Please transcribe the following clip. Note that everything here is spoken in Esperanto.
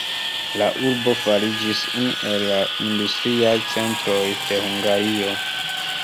La urbo fariĝis unu el la industriaj centroj de Hungario.